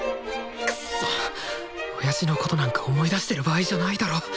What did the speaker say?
くそっ親父のことなんか思い出してる場合じゃないだろ。